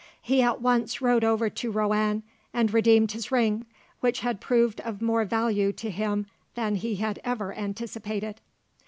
He at once rode over to Roanne and redeemed his ring, which had proved of more value to him than he had ever anticipated.